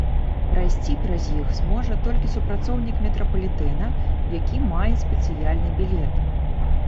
Прайсці праз іх зможа толькі супрацоўнік метрапалітэна, які мае спецыяльны білет.